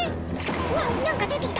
うわ何か出てきた！